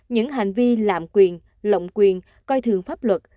những hành vi lạm quyền lộng quyền coi thường pháp luật